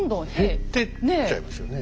減ってっちゃいますよね。